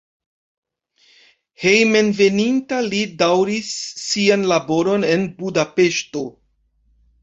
Hejmenveninta li daŭris sian laboron en Budapeŝto.